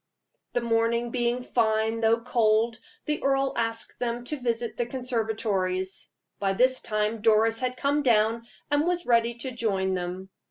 The morning being fine, though cold, the earl asked them to visit the conservatories. By this time Doris had come down, and was ready to join them.